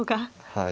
はい。